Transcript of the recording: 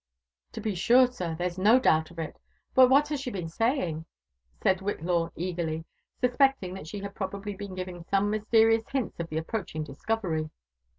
To be. sure, sir, there's no doubt of it. But what has she been saying ?" said Whillaw eagerly, suspecting that she had probably been giving some mysterious hints of the. approaching discovery.